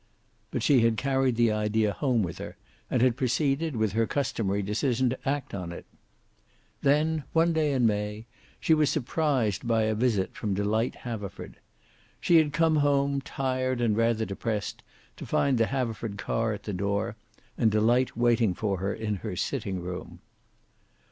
But she had carried the idea home with her, and had proceeded, with her customary decision, to act on it. Then, one day in May, she was surprised by a visit from Delight Haverford. She had come home, tired and rather depressed, to find the Haverford car at the door, and Delight waiting for her in her sitting room.